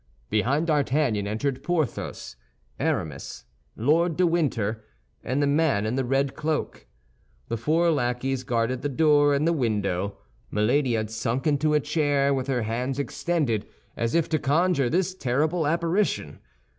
Behind D'Artagnan entered Porthos, Aramis, Lord de Winter, and the man in the red cloak. The four lackeys guarded the door and the window. Milady had sunk into a chair, with her hands extended, as if to conjure this terrible apparition.